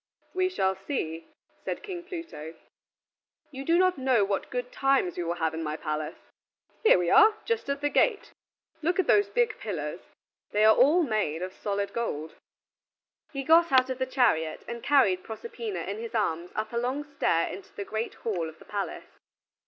"We shall see," said King Pluto; "you do not know what good times we will have in my palace. Here we are, just at the gate. Look at the big pillars; they are all made of solid gold." He got out of the chariot and carried Proserpina in his arms up a long stair into the great hall of the palace.